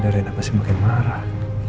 dari enak masih makin marah